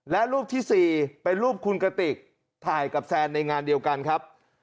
และรูปที่๔เป็นรูปคุณกติกถ่ายกับแซนในงานเดียวกันครับ